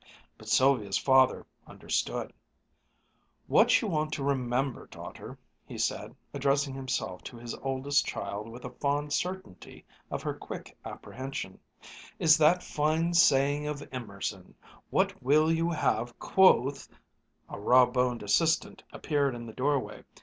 But Sylvia's father understood, "What you want to remember, daughter," he said, addressing himself to his oldest child with a fond certainty of her quick apprehension, "is that fine saying of Emerson, 'What will you have, quoth '" A raw boned assistant appeared in the doorway.